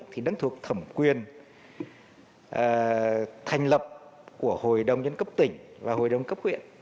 thì vẫn thuộc thẩm quyền thành lập của hội đồng nhân cấp tỉnh và hội đồng cấp huyện